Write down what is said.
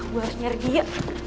gue harus nyari dia